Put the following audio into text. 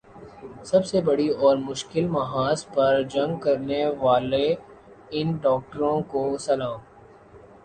سب سے بڑی اور مشکل محاذ پر جنگ کرنے والے ان ڈاکٹروں کو سلام